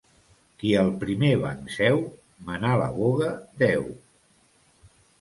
Qui al primer banc seu, menar la voga deu.